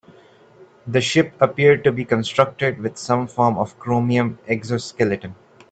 The ship appeared to be constructed with some form of chromium exoskeleton.